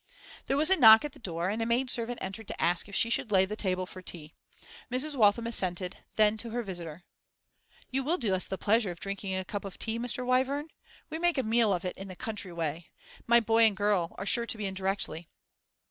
There was a knock at the door, and a maid servant entered to ask if she should lay the table for tea. Mrs. Waltham assented; then, to her visitor 'You will do us the pleasure of drinking a cup of tea, Mr. Wyvern? we make a meal of it, in the country way. My boy and girl are sure to be in directly.